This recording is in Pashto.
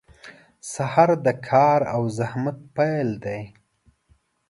• سهار د کار او زحمت پیل دی.